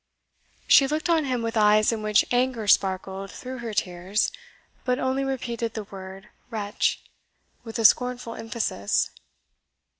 She looked on him with eyes in which anger sparkled through her tears, but only repeated the word "wretch!" with a scornful emphasis.